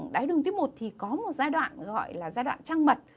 đáy đường tiết một thì có một giai đoạn gọi là giai đoạn trăng mật